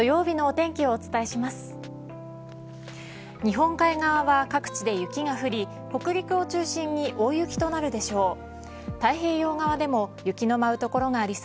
日本海側は各地で雪が降り北陸を中心に大雪となるでしょう。